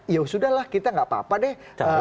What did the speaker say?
ya sudah lah kita gak apa apa deh